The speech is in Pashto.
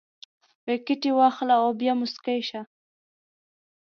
ویکټې واخله او بیا موسکی شه